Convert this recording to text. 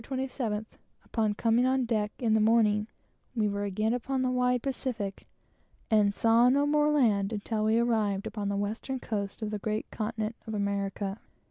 27th, upon coming on deck in the morning, we were again upon the wide Pacific, and saw no more land until we arrived upon the western coast of the great continent of America.